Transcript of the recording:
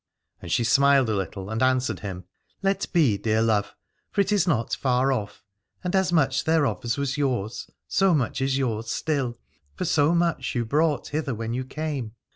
And she smiled a little and answered him : Let be, dear love, for it is not far off: and as much thereof as was yours, so much is yours still, for so much you brought hither when you came.